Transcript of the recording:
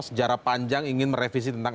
sejarah panjang ingin merevisi tentang